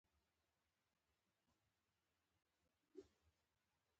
منډه د انسان شخصیت پیاوړی کوي